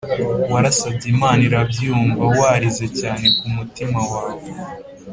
warasabye imana irabyumva warize cyane ku mutima wawe